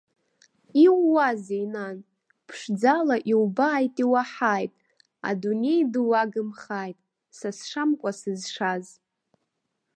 Иууазеи, нан, ԥшӡала иубааит-иуаҳааит, адунеи ду уагымхааит, са сшамкәа сызшаз!